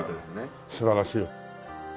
素晴らしい。